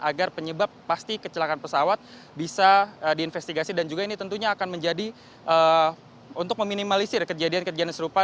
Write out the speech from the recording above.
agar penyebab pasti kecelakaan pesawat bisa diinvestigasi dan juga ini tentunya akan menjadi untuk meminimalisir kejadian kejadian serupa